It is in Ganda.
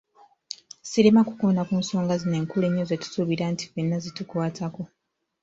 Sirema kukoona ku nsonga zino enkulu ennyo zetusuubira nti fenna zitukwatako.